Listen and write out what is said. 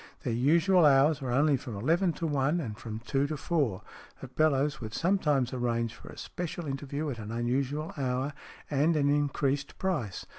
Their usual hours were only from eleven to one and from two to four, but Bellowes would sometimes arrange for a special interview at an unusual hour and an increased price.